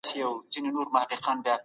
د بشري حقونو سازمانونه د خلګو وضعیت څاري.